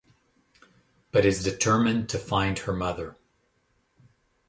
But is determined to find her mother.